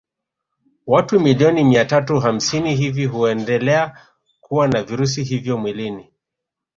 Watu milioni mia tatu hamsini hivi huendelea kuwa na virusi hivyo mwilini